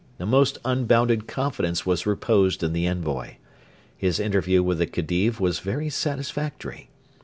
The most unbounded confidence was reposed in the envoy. His interview with the Khedive was 'very satisfactory.'